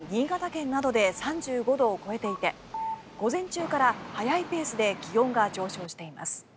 すでに新潟県などで３５度を超えていて午前中から早いペースで気温が上昇しています。